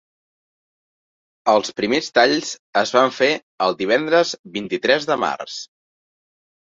Els primers talls es van fer el divendres vint-i-tres de març.